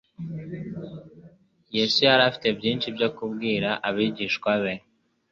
Yesu yari afite byinshi byo kubwira abigishwa be